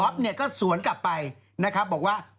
อ๊อปก็สวนกลับไปบอกว่า